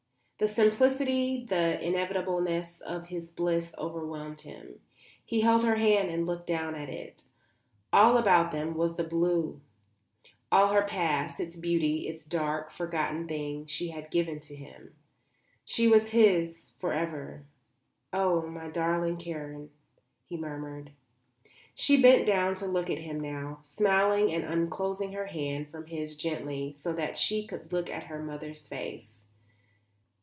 The simplicity, the inevitableness of his bliss overwhelmed him. He held her hand and looked down at it. All about them was the blue. All her past, its beauty, its dark, forgotten things, she had given to him. She was his for ever. "Oh, my darling Karen," he murmured. She bent down to look at him now, smiling and unclosing her hand from his gently, so that she could look at her mother's face.